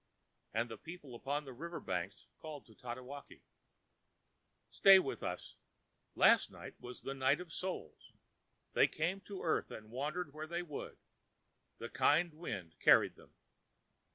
And the people upon the river banks called to Tatewaki: ãStay with us. Last night was the Night of Souls. They came to earth and wandered where they would, the kind wind carried them.